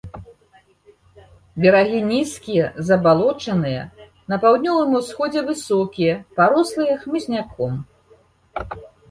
Берагі нізкія, забалочаныя, на паўднёвым-усходзе высокія, парослыя хмызняком хмызняком.